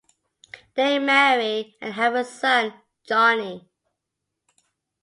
They marry and have a son, Johnny.